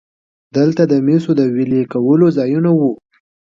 دلته د مسو د ویلې کولو ځایونه وو